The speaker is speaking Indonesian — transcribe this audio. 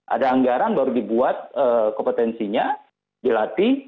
ada anggaran baru dibuat kompetensinya dilatih